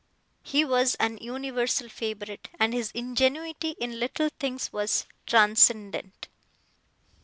He was an universal favourite, and his ingenuity in little things was transcendent.